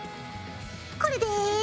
これで。